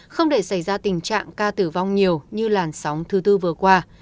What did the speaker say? không để xảy ra tình trạng ca tử vong nhiều như làn sóng thứ tư vừa qua